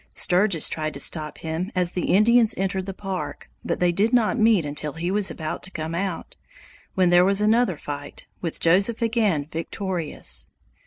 Sturgis tried to stop him as the Indians entered the Park, but they did not meet until he was about to come out, when there was another fight, with Joseph again victorious.